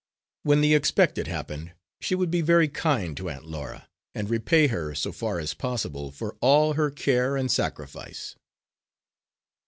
When the expected happened, she would be very kind to Aunt Laura, and repay her, so far as possible, for all her care and sacrifice.